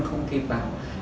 không kịp bảo